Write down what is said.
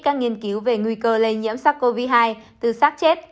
các nghiên cứu về nguy cơ lây nhiễm sars cov hai từ sát chết